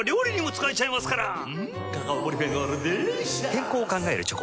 健康を考えるチョコ。